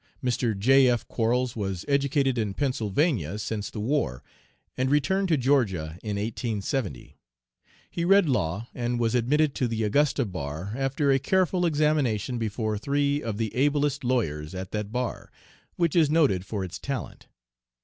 Mr. J. F. Quarles was educated in Pennsylvania since the war, and returned to Georgia in 1870. He read law and was admitted to the Augusta bar after a careful examination before three of the ablest lawyers at that bar, which is noted for its talent.